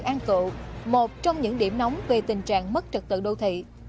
an cự một trong những điểm nóng về tình trạng mất trật tự đô thị